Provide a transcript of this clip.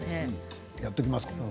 やっておきます。